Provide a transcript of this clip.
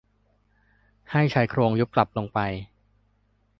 ให้ชายโครงยุบกลับลงไป